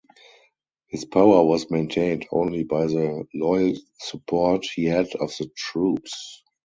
His power was maintained only by the loyal support he had of the troops.